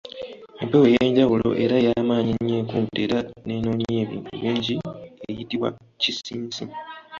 Empewo ey’enjawulo era ey’amaanyi ennyo ekunta era n’eyonoonya ebintu bingi eyitibwa Kisinsi.